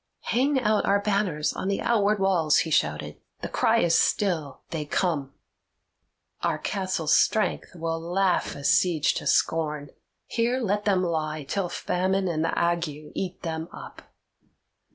"Hang out our banners on the outward walls," he shouted. "The cry is still, 'They come.' Our castle's strength will laugh a siege to scorn; here let them lie till famine and the ague eat them up."